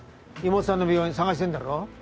妹さんの病院探してるんだろ？